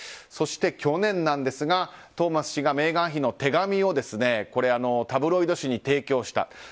そして去年、トーマス氏がメーガン妃の手紙をタブロイド紙に提供した。